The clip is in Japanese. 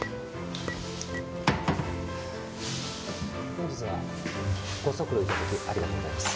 「本日はご足労頂きありがとうございます」